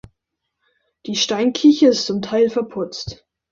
Die Steinkirche ist zum Teil verputzt.